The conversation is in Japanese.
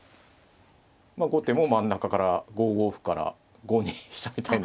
後手も真ん中から５五歩から５二飛車みたいな。